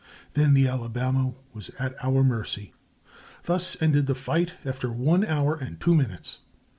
Then the Alabama was at our mercy. Thus ended the fight after one hour and two minutes.